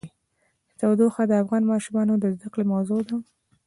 تودوخه د افغان ماشومانو د زده کړې موضوع ده.